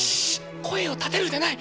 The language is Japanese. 声を立てるでない。